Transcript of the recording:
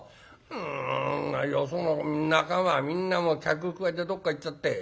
んよその仲間はみんな客くわえてどっか行っちゃったよ。